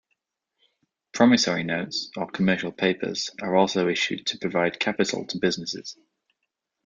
Promissory notes, or commercial papers, are also issued to provide capital to businesses.